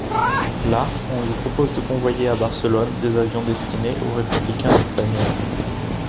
Là, on lui propose de convoyer à Barcelone, des avions destinés aux Républicains espagnols.